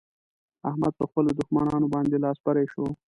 احمد په خپلو دښمانانو باندې لاس بری شو.